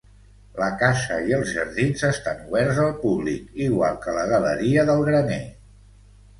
La casa i els jardins estan oberts al públic, igual que la Galeria del graner.